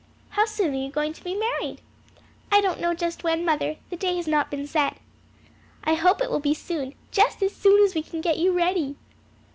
"How soon are you going to be married?" "I don't know just when, mother; the day has not been set." "I hope it will be soon, just as soon as we can get you ready."